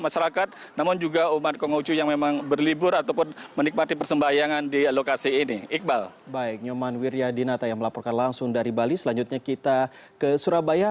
sampai jumpa di video selanjutnya